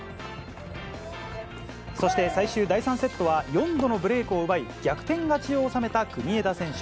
そして最終第３セットは４度のブレークを奪い、逆転勝ちを収めた国枝選手。